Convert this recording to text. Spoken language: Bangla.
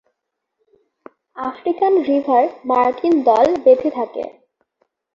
আফ্রিকান রিভার মার্টিন দল বেঁধে থাকে।